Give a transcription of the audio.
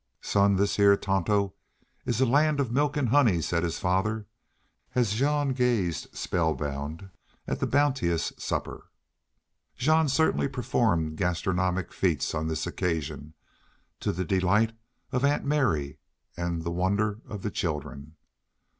"Son, this heah Tonto is a land of milk an' honey," said his father, as Jean gazed spellbound at the bounteous supper. Jean certainly performed gastronomic feats on this occasion, to the delight of Aunt Mary and the wonder of the children.